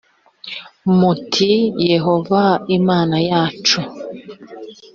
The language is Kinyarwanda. muti yehova imana yacu